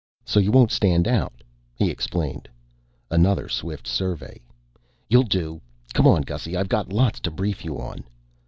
"So you won't stand out," he explained. Another swift survey. "You'll do. Come on, Gussy. I got lots to brief you on."